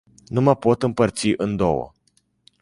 Nu mă pot împărți în două.